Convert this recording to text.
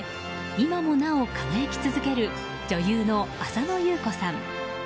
今もなお輝き続ける女優の浅野ゆう子さん。